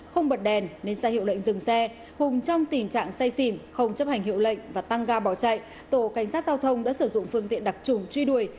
không bật đèn nên ra hiệu lệnh dừng xe hùng trong tình trạng say xỉn không chấp hành hiệu lệnh và tăng ga bỏ chạy tổ cảnh sát giao thông đã sử dụng phương tiện đặc trùng truy đuổi